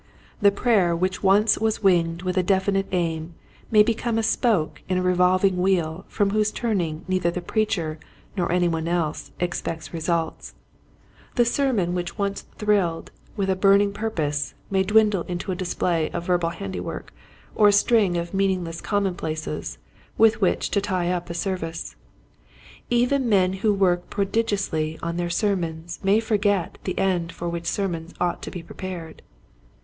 The prayer which once was winged with a definite aim may become a spoke in a re volving wheel from whose turning neither the preacher nor any one else expects re sults. The sermon which once thrilled 86 Quiet Hints to Growing Preachers. with a burning purpose may dwindle into a display of verbal handiwork or a string of meaningless commonplaces with which to tie up a service. Even men who work prodigiously on their sermons may forget the end for which sermons ought to be pre pared.